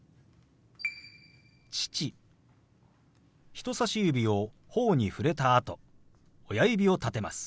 人さし指をほおに触れたあと親指を立てます。